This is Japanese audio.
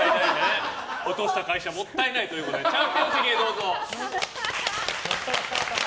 落とした会社もったいないということでチャンピオン席へどうぞ。